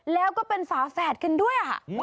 แล้วก็เป็นฝาแฝดกันด้วย